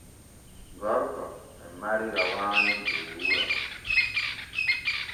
Gorko e mari rawaanu der wuro.